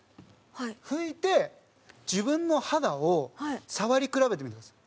拭いて、自分の肌を触り比べてみてください。